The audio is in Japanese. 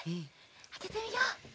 あけてみよう。